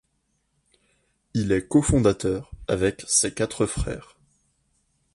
Il est cofondateur avec ses quatre frères.